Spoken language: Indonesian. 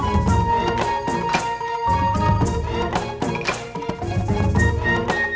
menurut saya mobil avatar terbuka terbuka terdekat